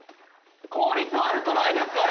効率悪くないですか？